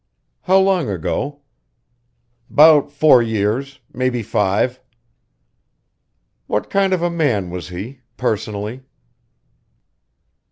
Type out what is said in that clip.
"How long ago?" "'Bout four years maybe five." "What kind of a man was he personally?"